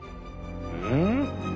うん？